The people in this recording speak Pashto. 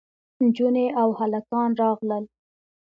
نجونې او هلکان راغلل.